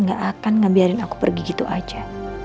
gak akan ngambiarin aku pergi gitu aja